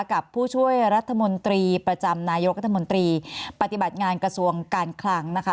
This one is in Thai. กับผู้ช่วยรัฐมนตรีประจำนายกรัฐมนตรีปฏิบัติงานกระทรวงการคลังนะคะ